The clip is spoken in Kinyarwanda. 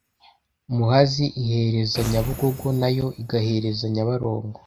muhazi ihereza nyabugogo na yo igahereza nyabarongo,